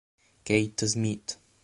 Keith Smith